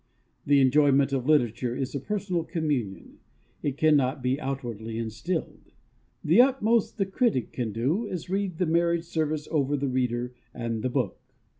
The enjoyment of literature is a personal communion; it cannot be outwardly instilled. The utmost the critic can do is read the marriage service over the reader and the book.